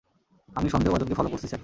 আমি সন্দেহভাজনকে ফলো করছি, স্যার।